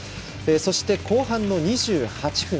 そして、後半の２８分。